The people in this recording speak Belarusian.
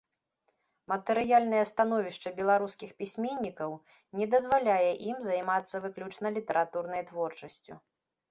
Матэрыяльнае становішча беларускіх пісьменнікаў не дазваляе ім займацца выключна літаратурнай творчасцю.